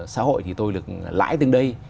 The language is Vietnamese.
xã hội thì tôi được lãi từng đây